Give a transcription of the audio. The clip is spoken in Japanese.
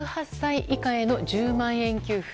１８歳以下への１０万円給付。